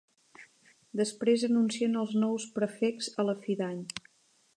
Després anuncien als nous Prefects a la fi d'any.